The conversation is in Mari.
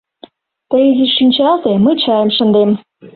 Тый изиш шинчалте, мый чайым шындем.